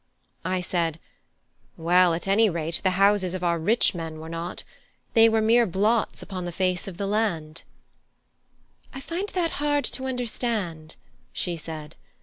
I said: "Well, at any rate the houses of our rich men were not; they were mere blots upon the face of the land." "I find that hard to understand," she said.